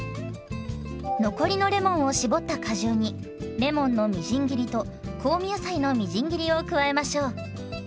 残りのレモンを搾った果汁にレモンのみじん切りと香味野菜のみじん切りを加えましょう。